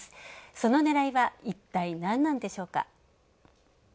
そのねらいは、一体、何なんでしょうか。